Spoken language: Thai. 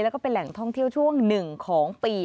แล้วก็เป็นแหล่งท่องเที่ยวช่วงหนึ่งของปี